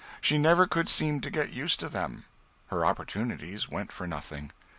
She never could seem to get used to them; her opportunities went for nothing.